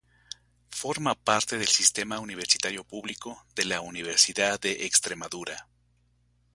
Forma parte del sistema universitario público de la Universidad de Extremadura.